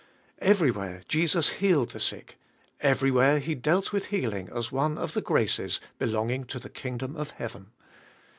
Everywhere Jesus healed the sick, everywhere He dealt with heading as one of the graces belonging to the king dom of heaven.